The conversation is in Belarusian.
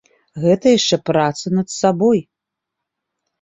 Гэта яшчэ праца над сабой.